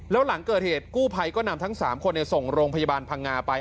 แล้วหลังเกิดเหตุกู้ภัยก็นำทั้ง๓คนส่งโรงพยาบาลพังงาไป